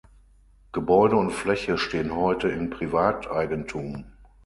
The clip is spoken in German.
Gebäude und Fläche stehen heute in Privateigentum.